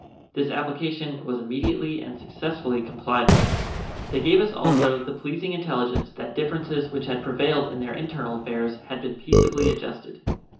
This application was immediately and successfully complied with. They gave us also the pleasing intelligence that differences which had prevailed in their internal affairs had been peaceably adjusted.